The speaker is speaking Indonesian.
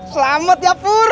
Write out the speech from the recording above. selamat ya pur